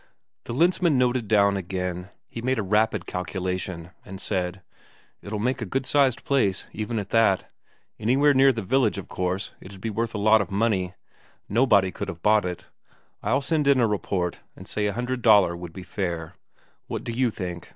The Lensmand noted down again. He made a rapid calculation, and said: "It'll make a good sized place, even at that. Anywhere near the village, of course, it'd be worth a lot of money; nobody could have bought it. I'll send in a report, and say a hundred Daler would be fair. What do you think?"